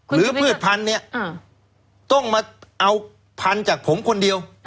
พืชพันธุ์เนี่ยต้องมาเอาพันธุ์จากผมคนเดียว